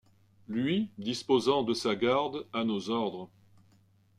Lui disposant de sa garde à nos ordres.